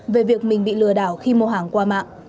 về việc mình bị lừa đảo khi mua hàng qua mạng